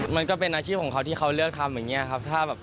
มันก็เป็นอาชีพของเขาที่เขาเลือกทำอย่างนี้ครับ